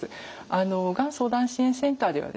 がん相談支援センターではですね